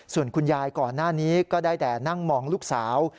ส่วนคุณยายก่อนหน้านี้ก็ได้แต่นั่งมองลูกสาว